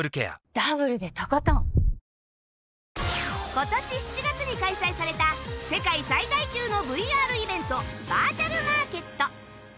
今年７月に開催された世界最大級の ＶＲ イベントバーチャルマーケット